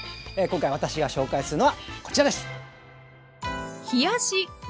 今回私が紹介するのはこちらです！